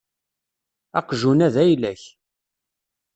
Aqjun-a d ayla-k.